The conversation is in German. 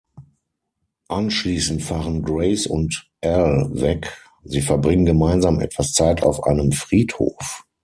Anschließend fahren Grace und Al weg, sie verbringen gemeinsam etwas Zeit auf einem Friedhof.